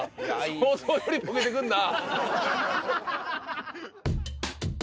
想像よりボケてくんな。